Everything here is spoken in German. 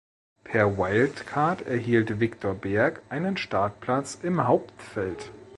Per Wildcard erhielt Viktor Berg einen Startplatz im Hauptfeld.